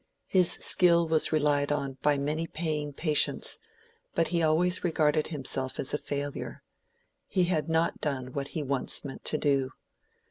His skill was relied on by many paying patients, but he always regarded himself as a failure: he had not done what he once meant to do.